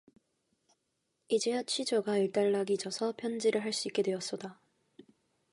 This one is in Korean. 이제야 취조가 일단락이 져서 편지를 할 수 있게 되었소이다.